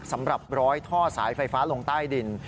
สำหรับร้อยท่อสายไฟฟ้าลงใต้ดิน